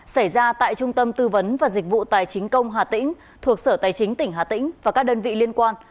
xảy ra tại trung tâm tư vấn và dịch vụ tài chính công hà tĩnh thuộc sở tài chính tỉnh hà tĩnh và các đơn vị liên quan